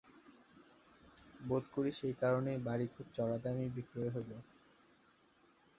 বোধ করি সেই কারণেই বাড়ি খুব চড়া দামেই বিক্রয় হইল।